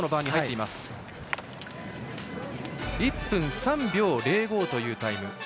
１分３秒０５というタイム。